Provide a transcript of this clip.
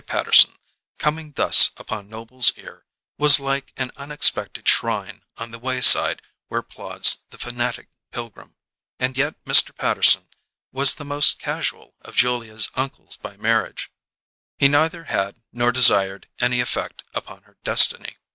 Patterson, coming thus upon Noble's ear, was like an unexpected shrine on the wayside where plods the fanatic pilgrim; and yet Mr. Patterson was the most casual of Julia's uncles by marriage: he neither had nor desired any effect upon her destiny.